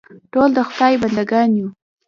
ټول د خدای بنده ګان یو.